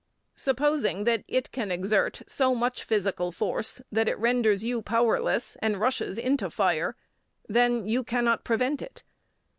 Supposing that it can exert so much physical force that it renders you powerless and rushes into fire, then you cannot prevent it.